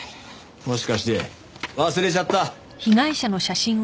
もしかして忘れちゃった？